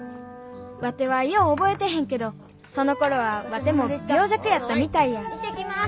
ワテはよう覚えてへんけどそのころはワテも病弱やったみたいや行ってきます！